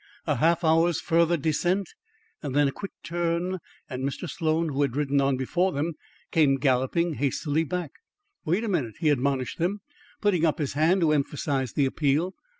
A half hour's further descent, then a quick turn and Mr. Sloan, who had ridden on before them, came galloping hastily back. "Wait a minute," he admonished them, putting up his hand to emphasise the appeal.